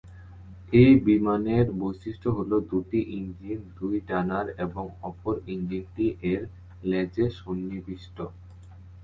এই বিমানের অনন্য বৈশিষ্ট হল দুটি ইঞ্জিন দুই ডানায় এবং অপর ইঞ্জিনটি এর লেজে সন্নিবিষ্ট।